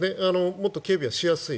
もっと警備はしやすい。